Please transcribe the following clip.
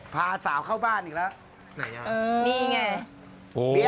พาสาวเข้าบ้านอีกแล้ว